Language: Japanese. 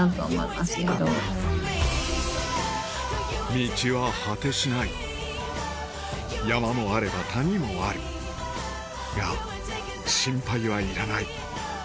道は果てしない山もあれば谷もあるが心配はいらない